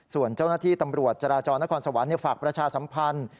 ส่วนเจ้าหน้าที่ตำรวจจราจรนครสวรรค์ฝากประชาสัมพันธ์